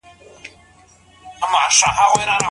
پلار مي وویل چي پښتو د غیریت او شجاعت ژبه ده.